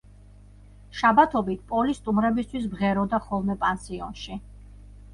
შაბათობით, პოლი სტუმრებისთვის მღეროდა ხოლმე პანსიონში.